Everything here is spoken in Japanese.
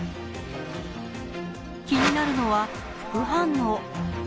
気になるのは副反応。